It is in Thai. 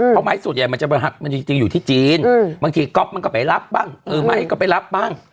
เพราะไม้ส่วนใหญ่มันจะจริงอยู่ที่จีนบางทีก๊อฟมันก็ไปรับบ้างเออไม่ก็ไปรับบ้าง